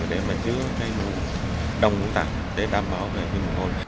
để mà chứa cái mũ đông mũ tạp để đảm bảo về cái mũ hôi